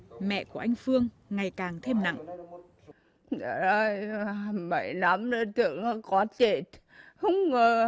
và mẹ của anh phương ngày càng thêm nặng